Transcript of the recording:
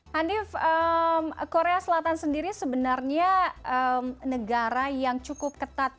dan yv korea selatan sendiri sebenarnya negara yang cukup ketat